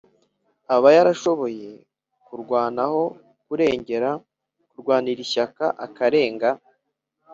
" a ba yarashoboye kurwanaho, kurengera, kurwanira ishyaka, akarenga